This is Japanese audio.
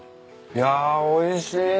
いやおいしい。